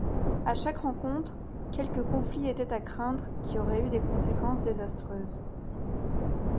À chaque rencontre, quelque conflit était à craindre, qui aurait eu des conséquences désastreuses.